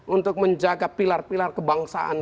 untuk menjaga pilar pilar kebangsaan